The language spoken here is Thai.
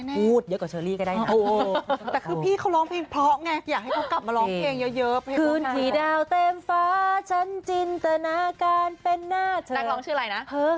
พูดที่เป็นเหนิ่งน้อย